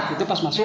itu pas masuk